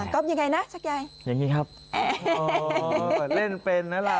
ก๊อบยังไงนะชักยัยอย่างนี้ครับโอ้โฮเล่นเป็นนะเรา